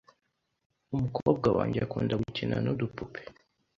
Umukobwa wanjye akunda gukina nudupupe .